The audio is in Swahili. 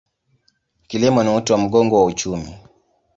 Kilimo ni uti wa mgongo wa uchumi.